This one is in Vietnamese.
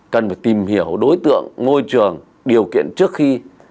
cần phải tìm hiểu đối tượng ngôi trường điều kiện trước khi